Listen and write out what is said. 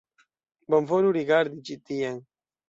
Bonvolu rigardi ĉi tien!